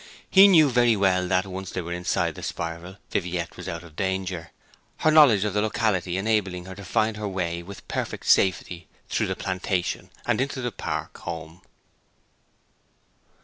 He knew very well that, once they were inside the spiral, Viviette was out of danger, her knowledge of the locality enabling her to find her way with perfect safety through the plantation, and into the park home.